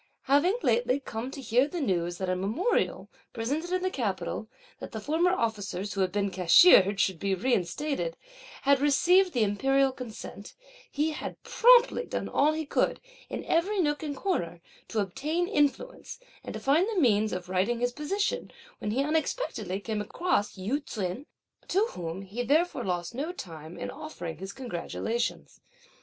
Having lately come to hear the news that a memorial, presented in the capital, that the former officers (who had been cashiered) should be reinstated, had received the imperial consent, he had promptly done all he could, in every nook and corner, to obtain influence, and to find the means (of righting his position,) when he, unexpectedly, came across Yü ts'un, to whom he therefore lost no time in offering his congratulations.